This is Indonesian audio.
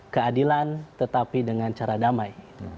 keadilan tetapi dengan cara damai